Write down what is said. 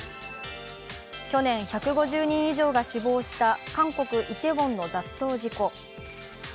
去年１５０人以上が死亡した韓国・イテウォンの雑踏事故。